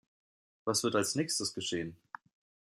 Was wird als Nächstes geschehen?